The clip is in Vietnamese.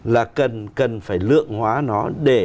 là cần phải lượng hóa nó